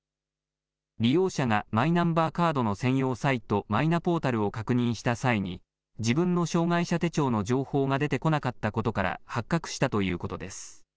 利用者がマイナンバーカードの専用サイト、マイナポータルを確認した際に自分の障害者手帳の情報が出てこなかったことから発覚したということです。